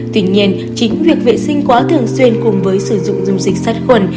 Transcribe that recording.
tuy nhiên chính việc vệ sinh quá thường xuyên cùng với sử dụng dung dịch sát khuẩn